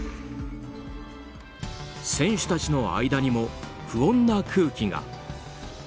選手たちの間にも不穏な空気が。